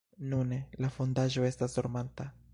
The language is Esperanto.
Nune, la fondaĵo estas dormanta.